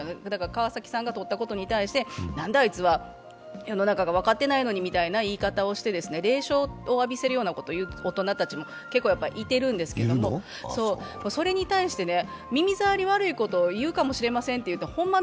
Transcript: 川崎さんが取ったことに対してなんだ、あいつは世の中が分かってないのにみたいな言い方をして冷笑を浴びせるような大人たちもいてるんですけどそれに対して、耳障りの悪いことを言うかもしれませんって言ってホンマ